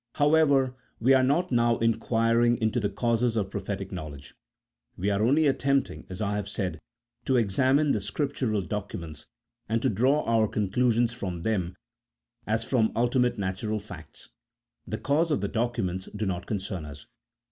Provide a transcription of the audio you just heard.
However, we are not now inquiring into the causes of prophetic knowledge. We are only attempting, as I have said, to examine the Scriptural documents, and to draw our conclusions from them as from ultimate natural facts ; the causes of the documents do not concern us.